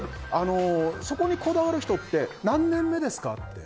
そこにこだわる人って何年目ですかって。